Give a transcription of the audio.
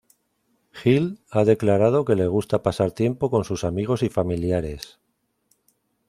Hill ha declarado que le gusta pasar tiempo con sus amigos y familiares.